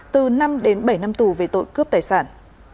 từ năm đến bảy năm tù về tội cướp tài sản